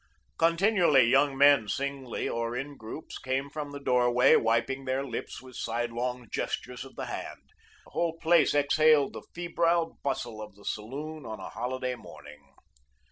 Continually, young men, singly or in groups, came from the door way, wiping their lips with sidelong gestures of the hand. The whole place exhaled the febrile bustle of the saloon on a holiday morning.